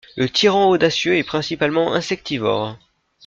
Le tyran audacieux est principalement insectivore.